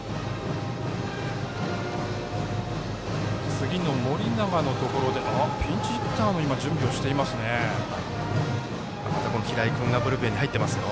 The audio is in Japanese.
次の盛永のところでピンチヒッターも準備をしていますね。